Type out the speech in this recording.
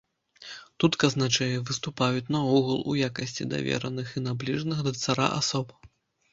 Тут казначэі выступаюць наогул у якасці давераных і набліжаных да цара асоб.